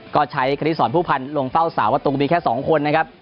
ก็ใช้คณิตสอนผู้พันธ์ลงเฝ้าสาวประตูมีแค่๒คนนะครับ